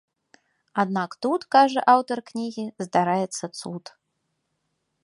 Аднак тут, кажа аўтар кнігі, здараецца цуд.